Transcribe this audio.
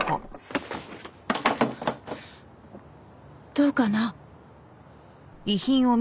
どうかな？